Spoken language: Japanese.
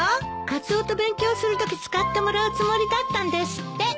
カツオと勉強するとき使ってもらうつもりだったんですって。